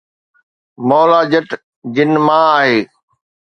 ’مولا جٽ‘ جن مان آهي